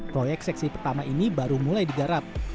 proyek seksi pertama ini baru mulai digarap